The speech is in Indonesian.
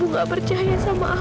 puh sampai aku camat